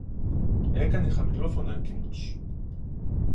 έκανε χαμηλόφωνα εκείνος